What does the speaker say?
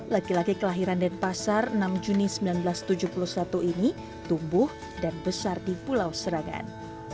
laki laki kelahiran denpasar enam juni seribu sembilan ratus tujuh puluh satu ini tumbuh dan besar di pulau serangan